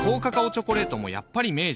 チョコレートもやっぱり明治